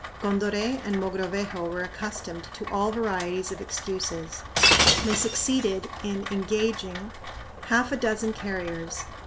Condoré and Mogrovejo were accustomed to all varieties of excuses. They succeeded in "engaging" half a dozen carriers.